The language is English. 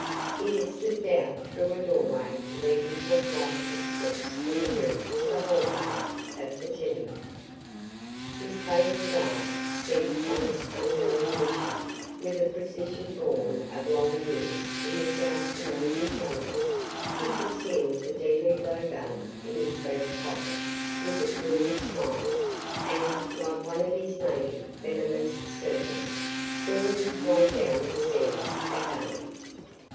He had slipped out through a doorway leading to a flight of steps from the roof to the hallway of the tenement. His fatal dart sent on its unerring mission with a precision born of long years in the South American jungle, he concealed the deadly blow gun in his breast pocket, with a cruel smile, and, like one of his native venomous serpents, wormed his way down the stairs again.